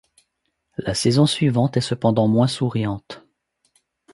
La saison suivante est cependant moins souriante.